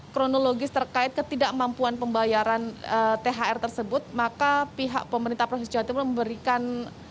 kronologis terkait ketidakmampuan pembayaran thr tersebut maka pihak pemerintah provinsi jawa timur memberikan